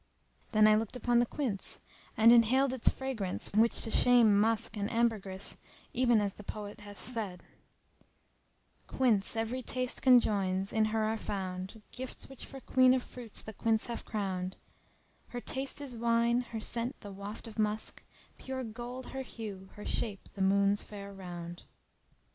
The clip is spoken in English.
Then I looked upon the quince, and inhaled its fragrance which putteth to shame musk and ambergris, even as the poet hath said : Quince every taste conjoins; in her are found * Gifts which for queen of fruits the Quince have crowned Her taste is wine, her scent the waft of musk; * Pure gold her hue, her shape the Moon's fair round.